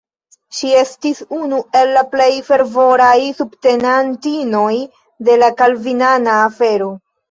Ŝi estis unu el la plej fervoraj subtenantinoj de la kalvinana afero.